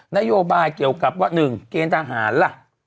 นโยบายเกี่ยวกับว่า๑เกณฑ์ทหารล่ะ